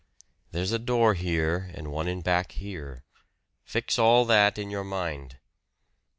There's a door here and one in back here. Fix all that in your mind."